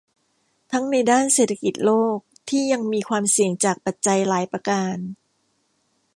ทั้งในด้านเศรษฐกิจโลกที่ยังมีความเสี่ยงจากปัจจัยหลายประการ